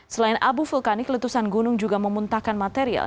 selain abu vulkanik letusan gunung juga memuntahkan material